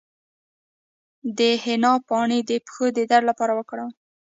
د حنا پاڼې د پښو د درد لپاره وکاروئ